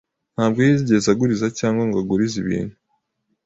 Ntabwo yigeze aguriza cyangwa ngo agurize ibintu.